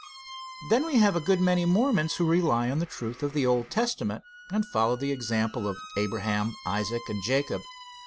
Then we have a good many Mormons who rely on the truth of the Old Testament and follow the example of Abraham, Isaac and Jacob.